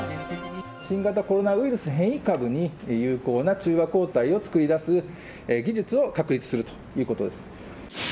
新型コロナウイルス変異株に有効な中和抗体を作り出す技術を確立するということです。